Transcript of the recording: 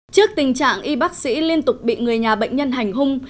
trước tình trạng y bác sĩ liên tục bị người nhà bệnh nhân hành hung